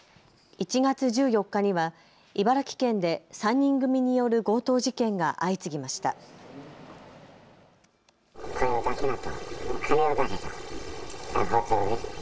１月１４日には茨城県で３人組による強盗事件が相次ぎました。